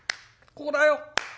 ここだい」。